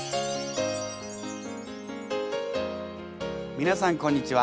皆さんこんにちは。